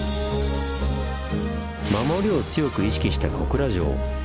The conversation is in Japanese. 守りを強く意識した小倉城。